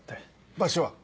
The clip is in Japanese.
場所は？